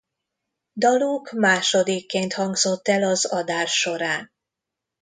Daluk másodikként hangzott el az adás során.